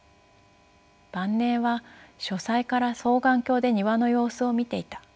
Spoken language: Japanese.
晩年は書斎から双眼鏡で庭の様子を見ていた。